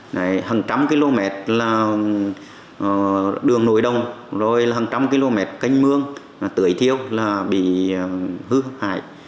hằng trăm km là đường nổi đồng rồi là hằng trăm km canh mương tưới thiêu là bị hư hấp hại